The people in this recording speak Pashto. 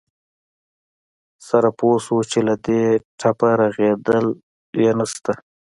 سړى پوى شو چې له دې ټپه رغېدن يې نه شته.